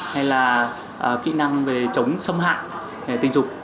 hay là kỹ năng về chống xâm hại tình dục